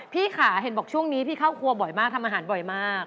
พี่ค่ะเห็นบอกช่วงนี้พี่เข้าครัวบ่อยมากทำอาหารบ่อยมาก